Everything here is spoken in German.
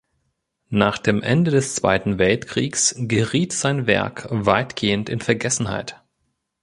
Nach Ende des Zweiten Weltkriegs geriet sein Werk weitgehend in Vergessenheit.